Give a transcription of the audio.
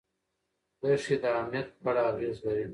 دښتې د امنیت په اړه اغېز لري.